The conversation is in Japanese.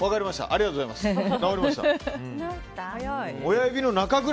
ありがとうございます。